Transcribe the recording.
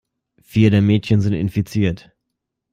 Vier der Mädchen sind infiziert.